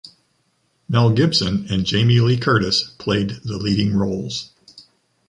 Mel Gibson and Jamie Lee Curtis played the leading roles.